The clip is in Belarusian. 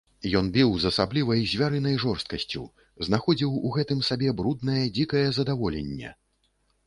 Ён біў з асаблівай звярынай жорсткасцю, знаходзіў у гэтым сабе бруднае, дзікае здаволенне.